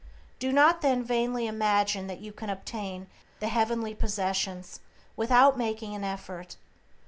Do not then vainly imagine that you can obtain the heavenly possessions without making an effort.